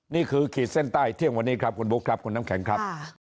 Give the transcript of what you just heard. ขีดเส้นใต้เที่ยงวันนี้ครับคุณบุ๊คครับคุณน้ำแข็งครับ